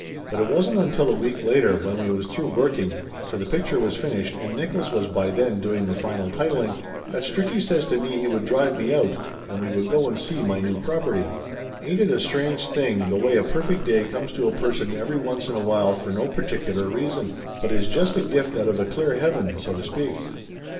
But it wasn't until a week later when we was through working, for the picture was finished and Nickolls was by then doing the final titling, that Stricky says to me he would drive me out and we would go and see my new property. Ain't it a strange thing the way a perfect day comes to a person every once in a while for no particular reason, but is just a gift out of a clear heaven, so to speak?